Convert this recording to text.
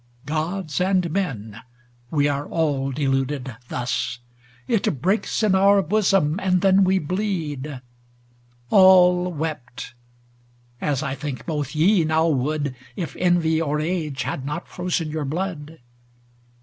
Gods and men, we are all deluded thus ! It breaks in our bosom and then we bleed. All wept, as I think both ye now would If envy or age had not frozen your blood.